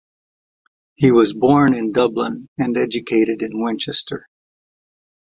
He was born in Dublin and educated at Winchester.